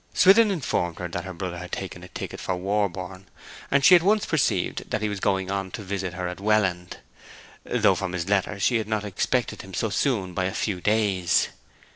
Swithin informed her that her brother had taken a ticket for Warborne, and she at once perceived that he was going on to visit her at Welland, though from his letter she had not expected him so soon by a few days.